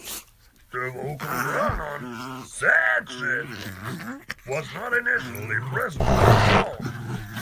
The vocal run on "Sad Shit" was not initially present on the song.